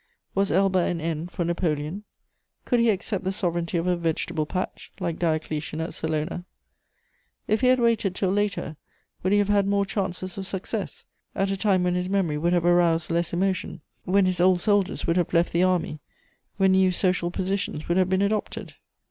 Was Elba an end for Napoleon? Could he accept the sovereignty of a vegetable patch, like Diocletian at Salona? If he had waited till later, would he have had more chances of success, at a time when his memory would have aroused less emotion, when his old soldiers would have left the army, when new social positions would have been adopted?